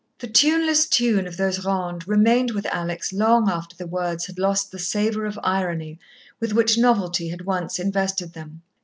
The tuneless tune of those rondes remained with Alex long after the words had lost the savour of irony with which novelty had once invested them.